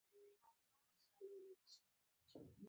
اوس د جګړې په حقیقت پوه شوي، ټوپک مې په لاس کې ټینګ ونیو.